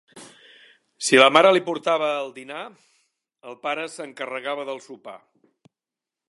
Si la mare li portava el dinar, el pare s'encarregava del sopar.